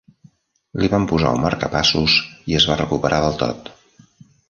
Li van posar un marcapassos i es va recuperar del tot.